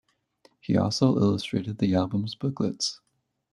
He also illustrated the albums' booklets.